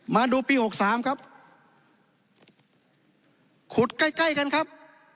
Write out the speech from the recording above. มาดูปีหกสามครับขุดใกล้ใกล้กันครับ